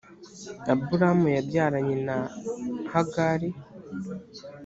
aburamu yabyaranye na hagari .